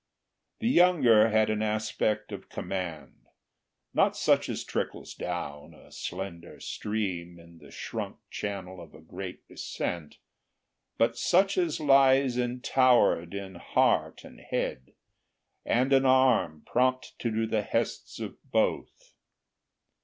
The younger had an aspect of command, Not such as trickles down, a slender stream, In the shrunk channel of a great descent, But such as lies entowered in heart and head, And an arm prompt to do the 'hests of both.